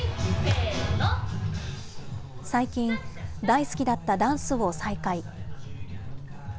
最近、大好きだったダンスを再開。